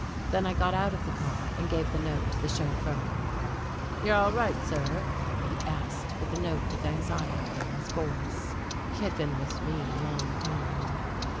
Then I got out of the car and gave the note to the chauffeur. "You're all right, sir?" he asked, with a note of anxiety in his voice. He had been with me a long time.